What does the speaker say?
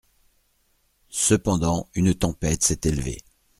Cependant une tempête s'est élevée.